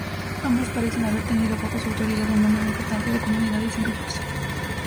Ambos parecen haber tenido bajo su autoridad un número importante de comunidades y grupos.